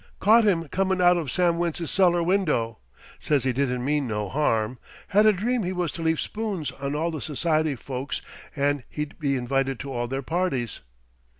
"Caught him comin' out of Sam Wentz's cellar window. Says he didn't mean no harm. Had a dream he was to leave spoons on all the society folks an' he'd be invited to all their parties."